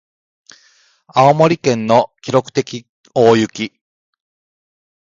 青森県の記録的大雪